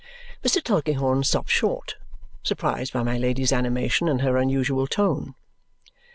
Mr. Tulkinghorn stops short, surprised by my Lady's animation and her unusual tone.